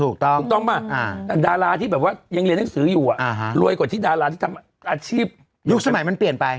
ถูกต้องถูกต้องป่ะดาราที่แบบว่ายังเรียนหนังสืออยู่รวยกว่าที่ดาราที่ทำอาชีพยุคสมัยมันเปลี่ยนไป